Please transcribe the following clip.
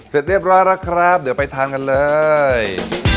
เสร็จเรียบร้อยแล้วครับเดี๋ยวไปทานกันเลย